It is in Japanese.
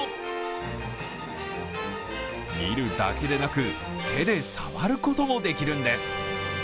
見るだけでなく、手で触ることもできるんです。